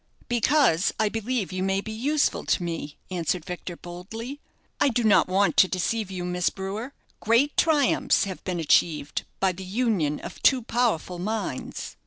"Because I believe you may be useful to me," answered Victor, boldly. "I do not want to deceive you, Miss Brewer. Great triumphs have been achieved by the union of two powerful minds."